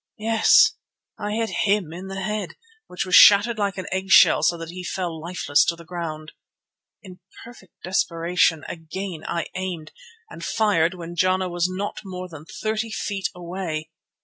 Yes! I hit him in the head, which was shattered like an eggshell, so that he fell lifeless to the ground. In perfect desperation again I aimed, and fired when Jana was not more than thirty feet away.